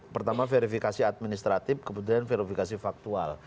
pertama verifikasi administratif kemudian verifikasi faktual